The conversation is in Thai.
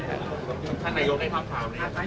จังไม่รู้เลย